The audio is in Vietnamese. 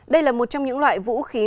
đây là một trong những loại vũ khí